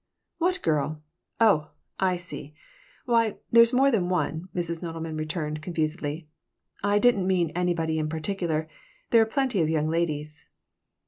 "What girl? Oh, I see! Why, there is more than one!" Mrs. Nodelman returned, confusedly. "I didn't mean anybody in particular. There are plenty of young ladies."